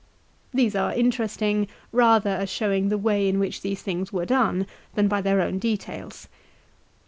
These are interesting rather as showing the way in which these things were done, than by their own details.